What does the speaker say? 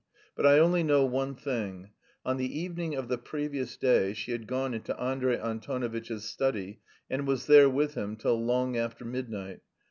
But I only know one thing: on the evening of the previous day she had gone into Andrey Antonovitch's study and was there with him till long after midnight.